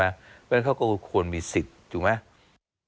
เพราะฉะนั้นเขาก็ควรมีสิทธิ์ถูกไหม